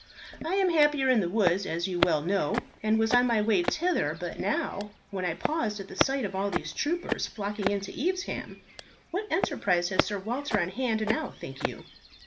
"I am happier in the woods, as you well know, and was on my way thither but now, when I paused at the sight of all these troopers flocking in to Evesham. What enterprise has Sir Walter on hand now, think you?"